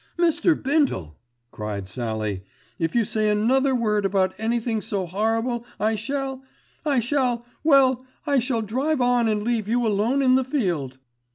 "Mr. Bindle," cried Sallie, "if you say another word about anything so horrible I shall—I shall—well, I shall drive on and leave you alone in the field."